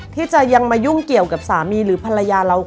ที่จะยังมายุ่งเกี่ยวกับสามีหรือภรรยาเรา